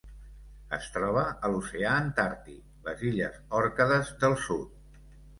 Es troba a l'oceà Antàrtic: les illes Òrcades del Sud.